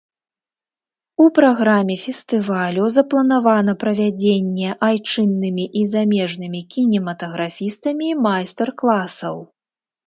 У праграме фестывалю запланавана правядзенне айчыннымі і замежнымі кінематаграфістамі майстар-класаў.